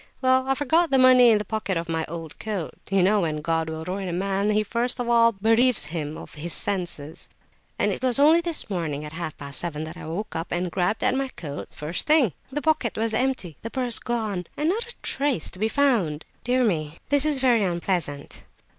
Well, I forgot the money in the pocket of my old coat—you know when God will ruin a man he first of all bereaves him of his senses—and it was only this morning at half past seven that I woke up and grabbed at my coat pocket, first thing. The pocket was empty—the purse gone, and not a trace to be found!" "Dear me! This is very unpleasant!"